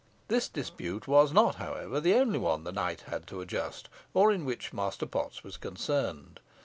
This dispute was not, however, the only one the knight had to adjust, or in which Master Potts was concerned.